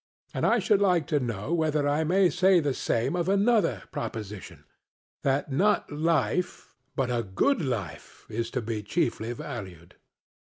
And I should like to know whether I may say the same of another proposition that not life, but a good life, is to be chiefly valued?